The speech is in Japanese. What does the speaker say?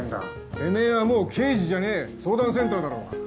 てめぇはもう刑事じゃねぇ相談センターだろうが。